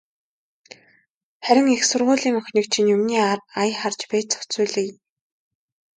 Харин их сургуулийн охиныг чинь юмны ая харж байж зохицуулъя.